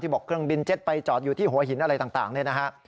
บอกเครื่องบินเจ็ตไปจอดอยู่ที่หัวหินอะไรต่างเนี่ยนะฮะ